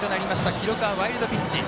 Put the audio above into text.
記録はワイルドピッチ。